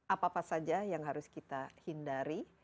apa apa saja yang harus kita hindari